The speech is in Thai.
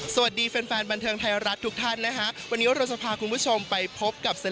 สวัสดีแฟนบันเทิงไทยรัฐทุกท่านนะคะ